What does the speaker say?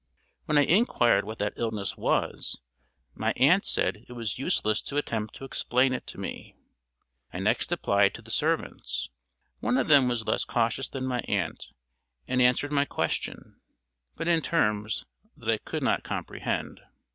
When I inquired what that illness was, my aunt said it was useless to attempt to explain it to me. I next applied to the servants. One of them was less cautious than my aunt, and answered my question, but in terms that I could not comprehend.